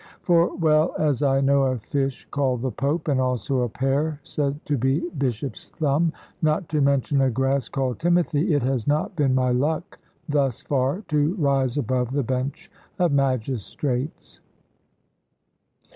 For well as I know a fish called "the Pope," and also a pear said to be "Bishop's thumb," not to mention a grass called "Timothy," it has not been my luck thus far to rise above the bench of magistrates.